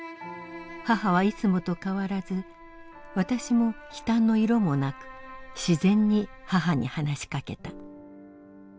母はいつもと変わらず私も悲嘆の色もなく自然に母に話しかけた。